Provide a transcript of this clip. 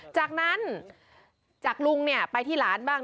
จากนั้นจากลุงไปที่หลานบ้าง